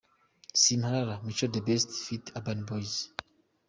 Simparara –Mico the Best ft Urban boys.